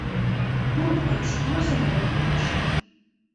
Мом пураш, мо сомылым темлаш?